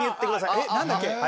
えっなんだっけ？